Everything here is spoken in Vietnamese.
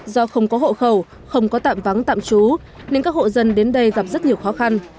do không có hộ khẩu không có tạm vắng tạm trú nên các hộ dân đến đây gặp rất nhiều khó khăn